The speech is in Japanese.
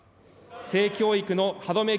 性教育の歯止め